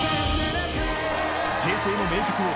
［平成の名曲を］